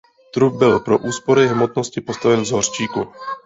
Trup byl pro úsporu hmotnosti postaven z hořčíku.